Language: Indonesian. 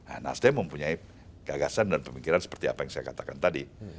nah nasdem mempunyai gagasan dan pemikiran seperti apa yang saya katakan tadi